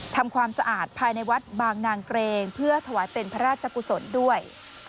ทำความสะอาดภายในวัดบางนางเกรงเพื่อถวายเป็นพระราชกุศลด้วย